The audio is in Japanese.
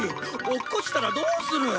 落っこちたらどうする！？